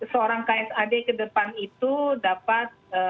seorang ksad ke depan itu dapat